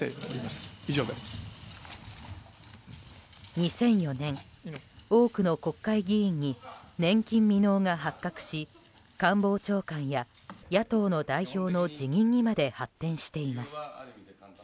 ２００４年、多くの国会議員に年金未納が発覚し官房長官や野党の代表の辞任にまで発展しています。